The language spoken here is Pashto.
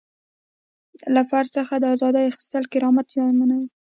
له فرد څخه د ازادۍ اخیستل کرامت زیانمنوي.